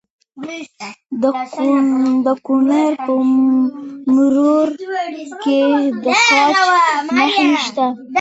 د کونړ په مروره کې د ګچ نښې شته.